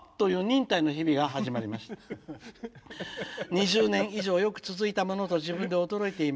２０年以上よく続いたものと自分で驚いています。